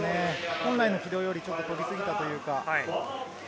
本来の軌道より飛び過ぎたというか。